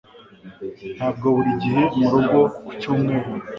Ntabwo buri gihe murugo ku cyumweru